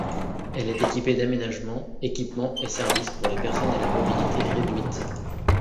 Elle est équipée d'aménagements, équipements et services pour les personnes à la mobilité réduite.